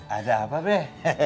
ada apa beh